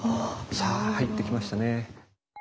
さあ入ってきましたね。